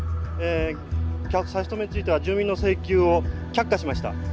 差し止めについては住民の請求を却下しました。